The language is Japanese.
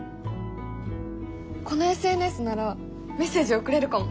このＳＮＳならメッセージ送れるかも！